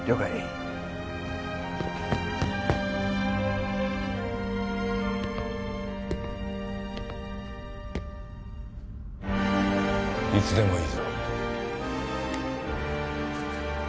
いつでもいいぞ